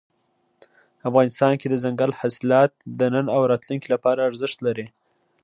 افغانستان کې دځنګل حاصلات د نن او راتلونکي لپاره ارزښت لري.